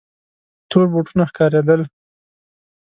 تور بوټونه ښکارېدل.